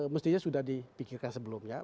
mestinya sudah dipikirkan sebelumnya